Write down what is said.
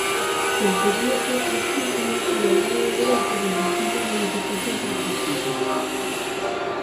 Perseguíase así unha "igualdade de dereitos" das distintas manifestacións artísticas.